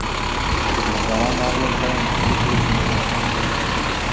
خدمتګاران راغلل، چای او مختلفې وچې مېوې يې راوړې.